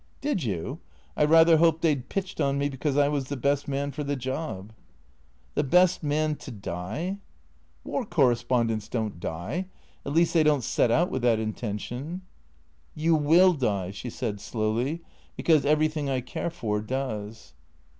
" Did you ? I rather hoped they 'd pitched on me because I was the best man for the job." "The best man — to die?" " War correspondents don't die. At least they don't set out with that intention." " You ivill die," she said slowly ;" because everything I care for does."